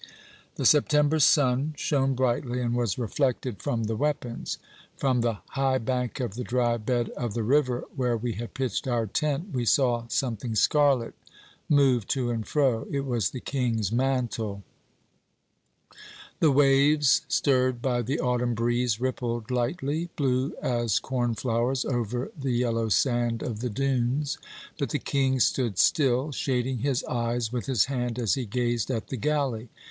"The September sun shone brightly, and was reflected from the weapons. From the high bank of the dry bed of the river, where we had pitched our tent, we saw something scarlet move to and fro. It was the King's mantle. The waves, stirred by the autumn breeze, rippled lightly, blue as cornflowers, over the yellow sand of the dunes; but the King stood still, shading his eyes with his hand as he gazed at the galley.